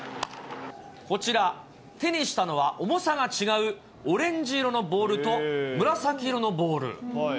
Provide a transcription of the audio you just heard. こちら、手にしたのは重さが違うオレンジ色のボールと紫色のボール。